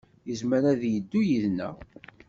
Yezmer ad yeddu yid-neɣ.